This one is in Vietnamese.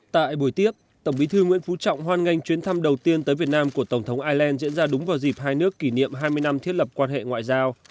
tại buổi tiếp tổng bí thư nguyễn phú trọng hoan nghênh chuyến thăm đầu tiên tới việt nam của tổng thống ireland diễn ra đúng vào dịp hai nước kỷ niệm hai mươi năm thiết lập quan hệ ngoại giao